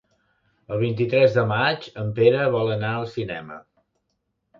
El vint-i-tres de maig en Pere vol anar al cinema.